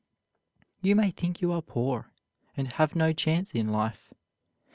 You may think you are poor and have no chance in life.